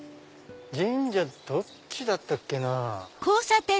神社どっちだったっけなぁ。